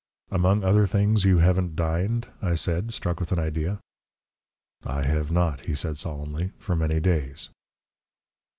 "Among other things, you haven't dined?" I said, struck with an idea. "I have not," he said solemnly, "for many days."